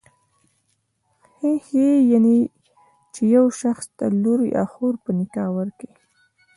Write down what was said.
خېښي، يعنی چي يو شخص ته لور يا خور په نکاح ورکي.